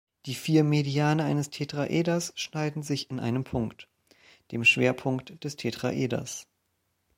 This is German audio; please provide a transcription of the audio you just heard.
Die vier Mediane einen Tetraeders schneiden sich in einem Punkt, dem Schwerpunkt des Tetraeders.